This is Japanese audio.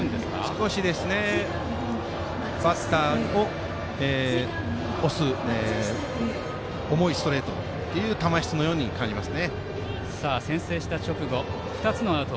少しバッターを押す重いストレートという球質のように感じます。